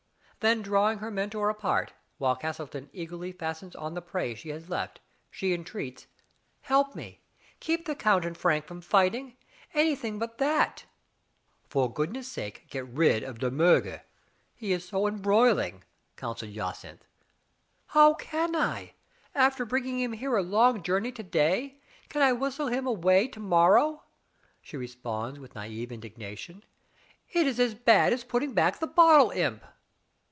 Then drawing her mentor apart, while Castleton eagerly fastens on the prey she has left, she entreats: "Help me. Digitized by Google 6z THE FATE OF FENELLA. Keep the count and Frank from fighting; any thing but that !" "For goodness' sake get rid of De Miirger. He is so embroilingy' counseled Jacynth. "How can I? After bringing him here a long journey to day, can I whistle him away to mor row?" she responds with naive indignation. "It is as bad as putting back the bottle imp."